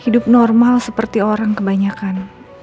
hidup normal seperti orang kebanyakan